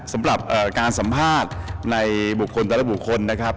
สำหรับการสัมภาษณ์ในบุคคลแต่ละบุคคลนะครับ